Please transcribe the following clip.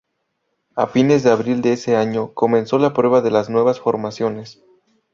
A fines de abril de ese año, comenzó la prueba de las nuevas formaciones.